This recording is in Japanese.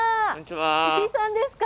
石井さんですか。